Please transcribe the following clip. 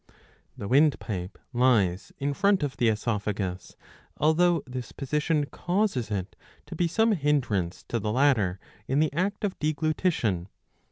The windpipe lies in front of the oesophagus, although this position causes it to be some hindrance to the latter in the act of deglutition.